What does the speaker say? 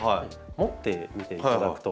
持ってみていただくと。